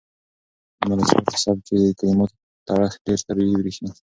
د ملکیار په سبک کې د کلماتو تړښت ډېر طبیعي برېښي.